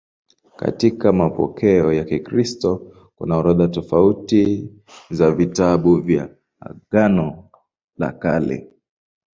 Katika mapokeo ya Kikristo kuna orodha tofauti za vitabu vya Agano la Kale.